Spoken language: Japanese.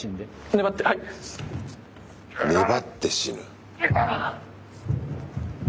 粘って死ぬ。